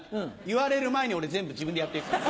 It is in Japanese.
言われる前に俺全部自分でやってるから。